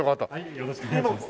よろしくお願いします。